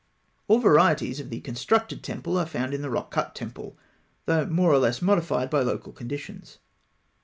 All varieties of the constructed temple are found in the rock cut temple, though more or less modified by local conditions.